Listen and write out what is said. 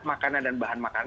makanan dan bahan makanan